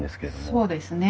そうですね。